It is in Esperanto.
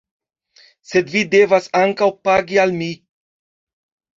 Sed vi devas ankaŭ pagi al mi!